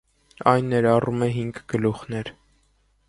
Այն ներառում է հինգ գլուխներ։